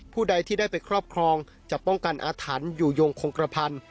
ใดที่ได้ไปครอบครองจะป้องกันอาถรรพ์อยู่ยงคงกระพัน